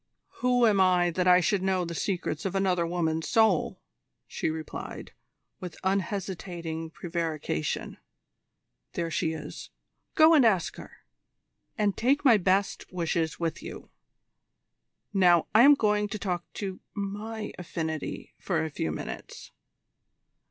"Who am I that I should know the secrets of another woman's soul?" she replied, with unhesitating prevarication. "There she is. Go and ask her, and take my best wishes with you. Now I am going to talk to my affinity for a few minutes."